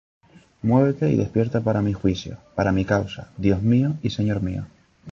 Muévete y despierta para mi juicio, Para mi causa, Dios mío y Señor mío.